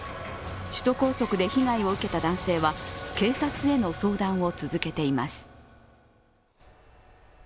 首都高速で被害を受けた男性は、警察への相談を続けています。